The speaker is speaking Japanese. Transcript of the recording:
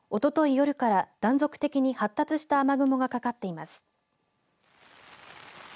夜から断続的に発達した雨雲がかかっています。